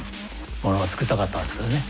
ものを作りたかったんですけどね。